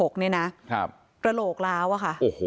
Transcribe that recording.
กระโหกร้าวอะนะคะ